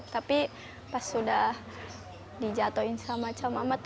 tapi pas sudah dijatuhin sama camamat